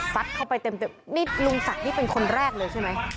เข้าไปเต็มนี่ลุงศักดิ์นี่เป็นคนแรกเลยใช่ไหม